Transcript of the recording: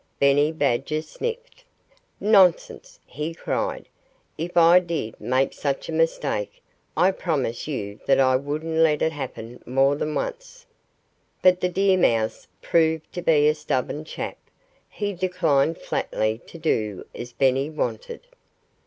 Benny Badger sniffed. "Nonsense!" he cried. "If I did make such a mistake, I promise you that I wouldn't let it happen more than once." But the deer mouse proved to be a stubborn chap. He declined flatly to do as Benny wanted.